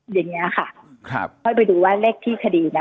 อย่างนี้ค่ะครับค่อยไปดูว่าเลขที่คดีนะ